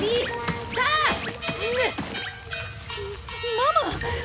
ママ！？